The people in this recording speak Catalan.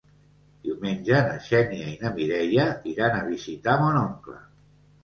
Diumenge na Xènia i na Mireia iran a visitar mon oncle.